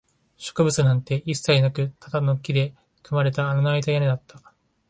植物なんて一切なく、ただの木で組まれた穴のあいた屋根だった